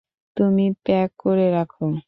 তুমি প্যাক করে রাখো।